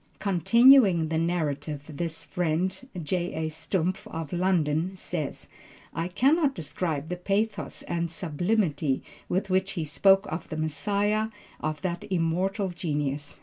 Continuing the narrative this friend, J.A. Stumpf of London, says, "I cannot describe the pathos and sublimity with which he spoke of the Messiah of that immortal genius.